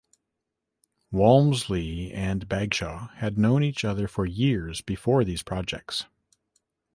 Walmsley and Bagshaw had known each other for years before these projects.